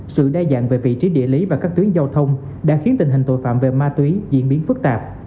sự đa dạng về vị trí địa lý và các tuyến giao thông đã khiến tình hình tội phạm về ma túy diễn biến phức tạp